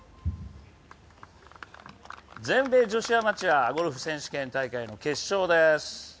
全米女子アマチュアゴルフ選手権大会の決勝です。